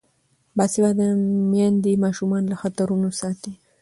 باسواده میندې ماشومان له خطرونو ساتي.